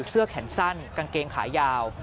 เสื้อแขนสั้นกางเกงขายาว